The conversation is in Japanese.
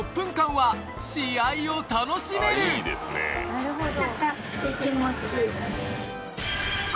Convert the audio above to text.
なるほど。